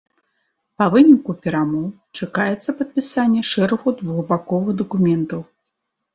Па выніку перамоў чакаецца падпісанне шэрагу двухбаковых дакументаў.